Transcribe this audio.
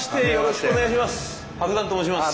伯山と申します。